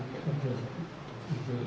iya pak ijo